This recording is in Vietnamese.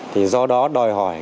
thì do đó đòi hỏi